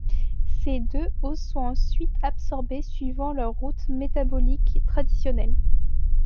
Ces deux oses sont ensuite absorbés suivant leur route métabolique traditionnelle.